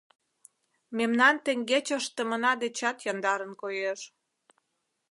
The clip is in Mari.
Мемнан теҥгече ыштымына дечат яндарын коеш.